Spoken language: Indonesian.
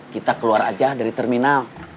kita keluar aja dari terminal